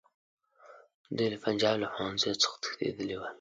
دوی له پنجاب له پوهنځیو څخه تښتېدلي ول.